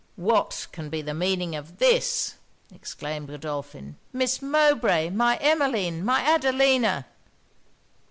'What can be the meaning of this?' exclaimed Godolphin. 'Miss Mowbray! my Emmeline! my Adelina!'